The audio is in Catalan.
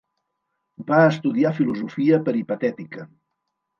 Va estudiar filosofia peripatètica.